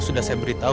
sudah saya beritahu